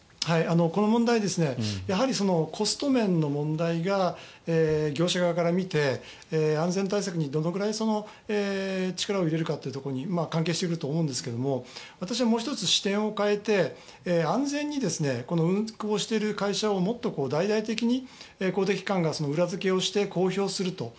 この問題はやはりコスト面の問題が業者側から見て安全対策にどのぐらい力を入れるかというところに関係していると思いますが私はもう１つ視点を変えて安全に運航している会社をもっと大々的に公的機関が裏付けをして公表すると。